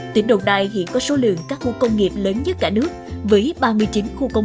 tỉnh đồng nai hiện có số lượng các khu công nghiệp lớn nhất cả nước